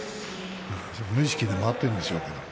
無意識で回っているんでしょうけど。